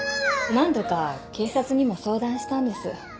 何度か警察にも相談したんです。